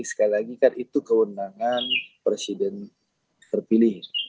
sekali lagi kan itu kewenangan presiden terpilih